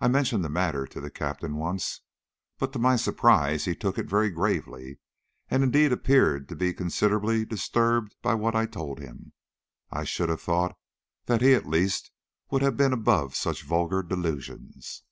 I mentioned the matter to the Captain once, but to my surprise he took it very gravely, and indeed appeared to be considerably disturbed by what I told him. I should have thought that he at least would have been above such vulgar delusions.